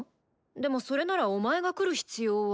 でもそれならお前が来る必要は。